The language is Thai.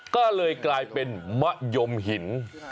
ก็เลยกลายเป็นมะยมหิน